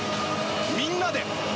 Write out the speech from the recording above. みんなで！